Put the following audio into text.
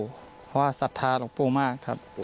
เพราะว่าศรัทธาหลวงปู่มากครับ